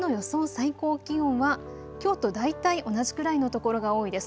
最高気温はきょうと大体同じくらいの所が多いです。